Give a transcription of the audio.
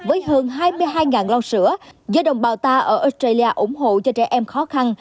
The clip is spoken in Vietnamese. với hơn hai mươi hai lon sữa do đồng bào ta ở australia ủng hộ cho trẻ em khó khăn